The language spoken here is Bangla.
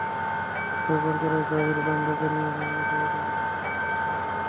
তবে, পরিচালকের দাবি রোনালদোকে নিয়ে বানানো ছবিতে মেসি অনুপস্থিত থাকতে পারেন না।